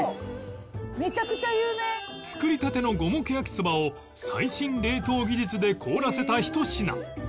めちゃくちゃ有名」作りたての五目焼きそばを最新冷凍技術で凍らせたひと品